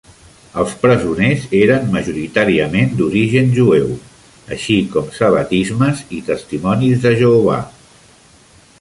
Els presoners eren majoritàriament d'origen jueu, així com sabatismes i testimonis de Jehovà.